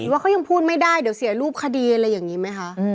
ว่าเขายังพูดไม่ได้เดี๋ยวเสียรูปคดีอะไรอย่างนี้ไหมคะ